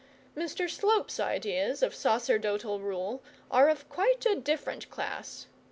Mr Slope's ideas of sacerdotal rule are of a quite different class.